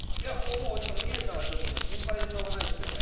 宮治さんは心配でしょうがないっすよね。